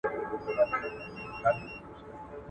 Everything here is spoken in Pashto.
د موضوع د تحلیل لپاره تل منلي دلایل ولرئ.